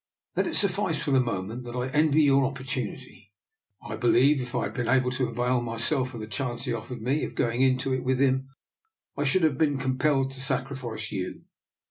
" Let it suf fice for the moment that I envy your oppor tunity. I believe if I had been able to avail myself of the chance he offered me of going into it with him, I should have been com pelled to sacrifice you.